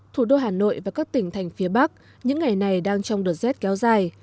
thủ đô hà nội và các tỉnh thành phía bắc những ngày này đang trong đợt rét kéo dài